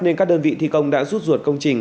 nên các đơn vị thi công đã rút ruột công trình